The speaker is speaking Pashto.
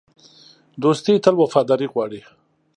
دوستي تل وفاداري غواړي.